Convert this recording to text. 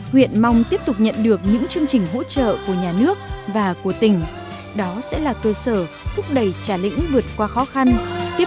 huyện mong tiếp tục nhận được những chương trình hỗ trợ của nhà nước và của tỉnh đó sẽ là cơ sở thúc đẩy trà lĩnh vượt qua khó khăn tiếp tục đi lên